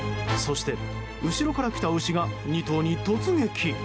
そして、後ろから来た牛が２頭に突撃。